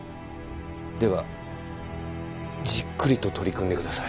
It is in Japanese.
ではじっくりと取り組んでください。